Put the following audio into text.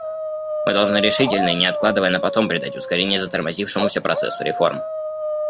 Мы должны решительно и не откладывая на потом придать ускорение затормозившемуся процессу реформ.